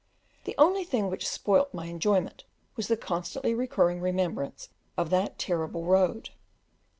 The only thing which spoilt my enjoyment was the constantly recurring remembrance of that terrible road.